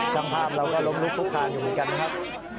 ช่างภาพเราก็ล้มลุกคุกคานอยู่เหมือนกันครับ